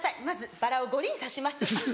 まずバラを５輪挿します。